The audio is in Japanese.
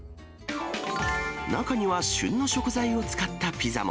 中には、旬の食材を使ったピザも。